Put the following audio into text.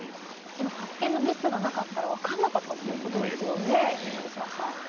この発券のミスがなかったら分からなかったということですよね、柳澤さん。